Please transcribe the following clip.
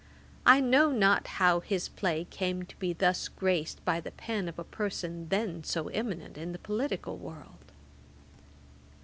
I know not how his play came to be thus graced by the pen of a person then so eminent in the political world.